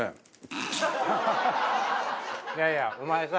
いやいやお前さ。